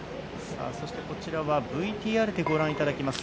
そしてこちらはＶＴＲでご覧いただきます